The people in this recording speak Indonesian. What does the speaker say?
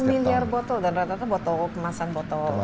hampir dua miliar botol dan rata rata kemasan botol minuman